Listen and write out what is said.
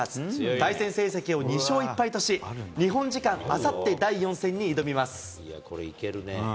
対戦成績を２勝１敗とし、日本時間あさって、第４戦に挑みます。